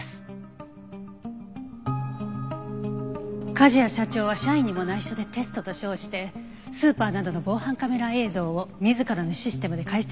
梶谷社長は社員にも内緒でテストと称してスーパーなどの防犯カメラ映像を自らのシステムで解析していた。